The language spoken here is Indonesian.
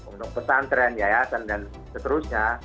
untuk pesantren yayasan dan seterusnya